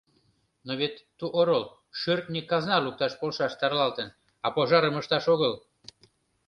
«Но вет ту орол шӧртньӧ казна лукташ полшаш «тарлалтын», а пожарым ышташ огыл.